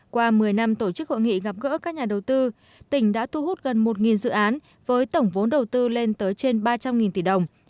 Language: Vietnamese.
qua một mươi năm tổ chức hội nghị gặp gỡ các nhà đầu tư tỉnh đã thu hút gần một dự án với tổng vốn đầu tư lên tới trên ba trăm linh tỷ đồng